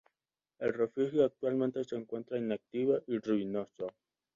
El refugio actualmente se encuentra inactivo y ruinoso.